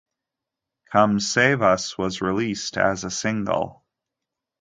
"Come Save Us" was released as a single.